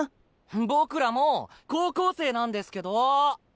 僕らもう高校生なんですけど。